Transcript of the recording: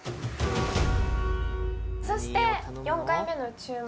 そして４回目の注文